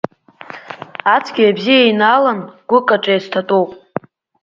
Ацәгьеи абзиеи еинаалан гәыкаҿ, еицҭатәоуп!